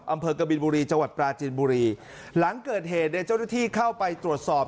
อำเภอกบินบุรีจังหวัดปราจีนบุรีหลังเกิดเหตุเนี่ยเจ้าหน้าที่เข้าไปตรวจสอบ